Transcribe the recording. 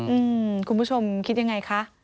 อืมคุณผู้ชมคิดอย่างไรคะ